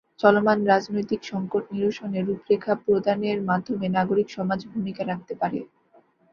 চলমান রাজনৈতিক সংকট নিরসনে রূপরেখা প্রদানের মাধ্যমে নাগরিক সমাজ ভূমিকা রাখতে পারে।